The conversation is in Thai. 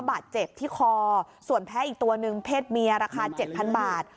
บาดเจ็บที่คอส่วนแพ้อีกตัวหนึ่งเพศเมียราคา๗๐๐บาท